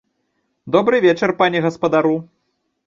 Добры вечар, пане гаспадару.